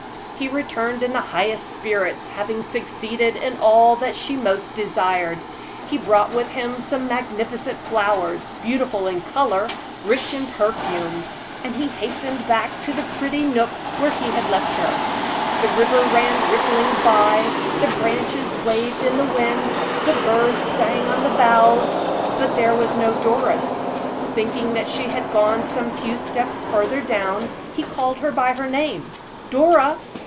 He returned in the highest spirits, having succeeded in all that she most desired. He brought with him some magnificent flowers, beautiful in color, rich in perfume; and he hastened back to the pretty nook where he had left her. The river ran rippling by, the branches waved in the wind, the birds sang on the boughs, but there was no Doris. Thinking that she had gone some few steps further down, he called her by her name, "Dora!